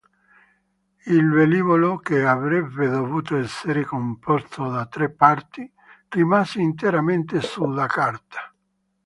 Il velivolo, che avrebbe dovuto essere composto da tre parti, rimase interamente sulla carta.